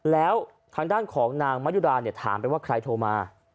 แล้วทางด้านของนางมะยุดาเนี่ยถามไปว่าใครโทรมา